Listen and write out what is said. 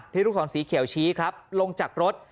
ลูกศรสีเขียวชี้ครับลงจากรถ